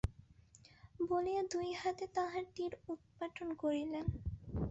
বলিয়া দুই হাতে তাঁহার তীর উৎপাটন করিলেন।